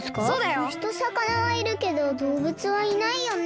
むしとさかなはいるけどどうぶつはいないよね。